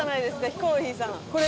ヒコロヒーさん」